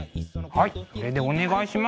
はいこれでお願いします。